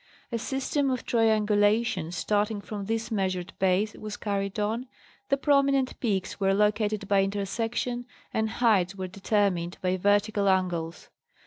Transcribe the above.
A system of triangulation starting from this measured base was carried on, the prominent peaks were located by intersection, and heights were determined by vertical angles.